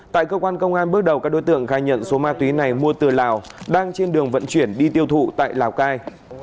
tại cơ quan công an bước đầu các đối tượng khai nhận số ma túy này mua từ lào đang trên đường vận chuyển đi tiêu thụ tại lào cai